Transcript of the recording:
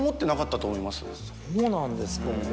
そうなんですか。